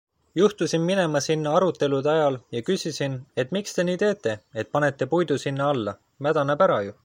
Juhtusin minema sinna arutelude ajal ja küsisin, et miks te nii teete, et panete puidu sinna alla, mädaneb ära ju.